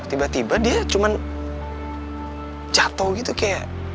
tiba tiba dia cuma jatuh gitu kayak